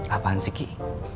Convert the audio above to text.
apaan sih kiki